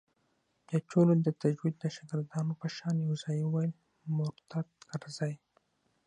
بيا ټولو د تجويد د شاگردانو په شان يو ځايي وويل مرتد کرزى.